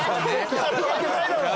やるわけないだろ。